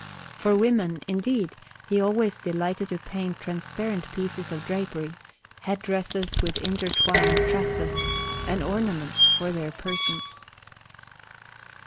For women, indeed, he always delighted to paint transparent pieces of drapery, head dresses with intertwined tresses, and ornaments for their persons.